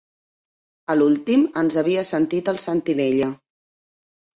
A l'últim ens havia sentit el sentinella